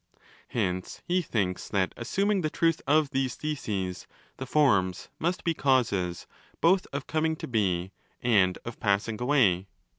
Hence he thinks that 'assuming the truth of these theses, the Forms masz be causes both of coming to be and of passing away'.?.